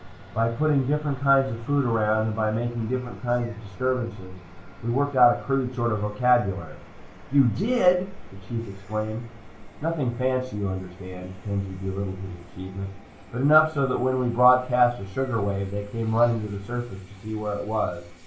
"By putting different kinds of food around, and by making different kinds of disturbances, we worked out a crude sort of vocabulary." "You did " the Chief exclaimed. "Nothing fancy, you understand," Kenzie belittled his achievement. "But enough so when we broadcast a sugar wave, they came running to the surface to see where it was.